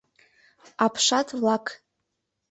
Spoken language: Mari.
АПШАТ-ВЛАК